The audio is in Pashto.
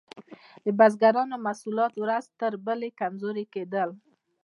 د بزګرانو محصولات ورځ تر بلې کمزوري کیدل.